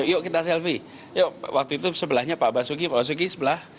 yuk kita selfie yuk waktu itu sebelahnya pak basuki pak basuki sebelah